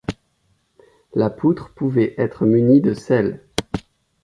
La poutre pouvait être munie de selles.